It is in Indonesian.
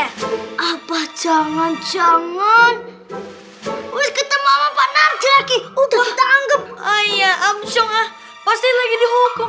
hai apa jangan jangan ketemu apa nanti lagi udah anggap ayah amsyong pasti lagi dihukum